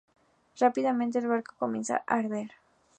Rápidamente el barco comienza a arder.